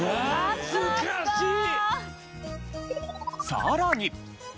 さらに。